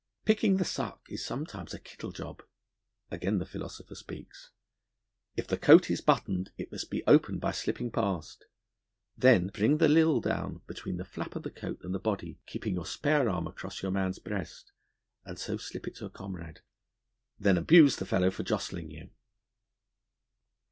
'Picking the suck is sometimes a kittle job,' again the philosopher speaks. 'If the coat is buttoned it must be opened by slipping past. Then bring the lil down between the flap of the coat and the body, keeping your spare arm across your man's breast, and so slip it to a comrade; then abuse the fellow for jostling you.'